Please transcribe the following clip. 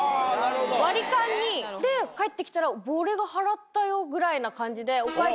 割り勘に。で帰ってきたら俺が払ったよぐらいな感じで。